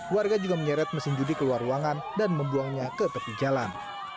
warga juga menyeret mesin judi keluar ruangan dan membuangnya ke tepi jalan